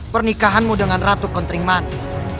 pernikahanmu dengan ratu kontrimani